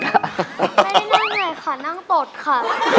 ไม่ได้นั่งเหนื่อยค่ะนั่งตดค่ะ